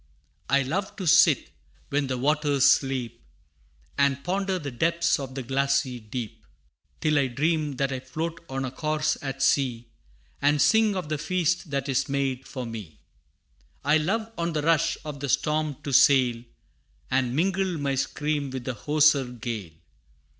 I love to sit, when the waters sleep, And ponder the depths of the glassy deep, Till I dream that I float on a corse at sea, And sing of the feast that is made for me. I love on the rush of the storm to sail, And mingle my scream with the hoarser gale.